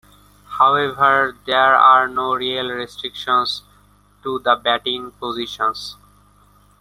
However, there are no real restrictions to the batting positions.